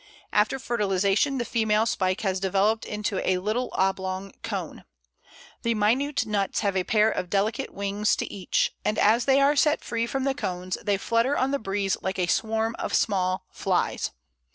After fertilization the female spike has developed into a little oblong cone. The minute nuts have a pair of delicate wings to each, and as they are set free from the cones they flutter on the breeze like a swarm of small flies.